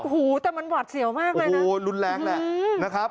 หูแต่มันหวาดเสียวมากเลยนะโอ้โหรุนแรงแหละนะครับ